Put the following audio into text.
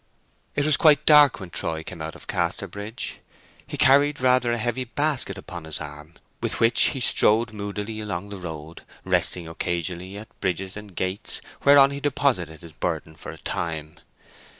It was quite dark when Troy came out of Casterbridge. He carried rather a heavy basket upon his arm, with which he strode moodily along the road, resting occasionally at bridges and gates, whereon he deposited his burden for a time.